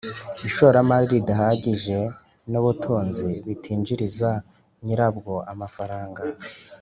ishoramari ridahagije n'ubuhinzi butinjiriza nyirabwo amafaranga